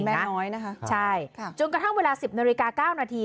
แม่น้อยนะคะใช่ค่ะจนกระทั่งเวลา๑๐นาฬิกา๙นาที